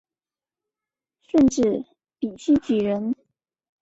顺治丙戌举人。